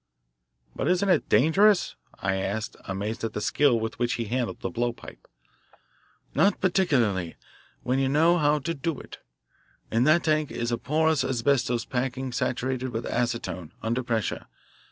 "But isn't it dangerous?" I asked, amazed at the skill with which he handled the blowpipe. "Not particularly when you know how to do it. In that tank is a porous asbestos packing saturated with acetone, under pressure.